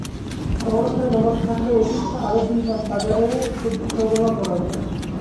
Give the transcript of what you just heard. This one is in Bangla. সংরক্ষণের ব্যবস্থা থাকলে অতিরিক্ত আরও দুই মাস বাজারে সবজি সরবরাহ করা যায়।